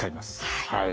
はい。